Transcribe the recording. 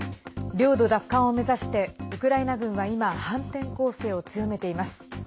領土奪還を目指してウクライナ軍は今反転攻勢を強めています。